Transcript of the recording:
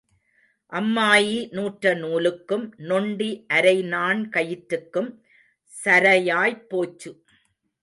அம்மாயி நூற்ற நூலுக்கும் நொண்டி அரைநாண் கயிற்றுக்கும் சரயாய்ப் போச்சு.